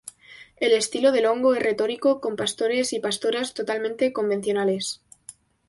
El estilo de Longo es retórico, con pastores y pastoras totalmente convencionales.